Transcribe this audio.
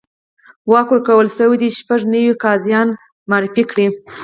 واک ورکړل شي چې شپږ نوي قاضیان معرفي کړي.